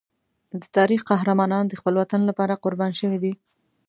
د تاریخ قهرمانان د خپل وطن لپاره قربان شوي دي.